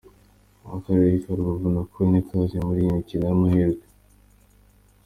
Akarere ka Rubavu nako ntikatanzwe muri iyi mikino y’amahirwe .